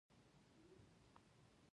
استاده وراثت څه ته وایي